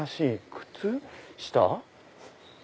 靴下？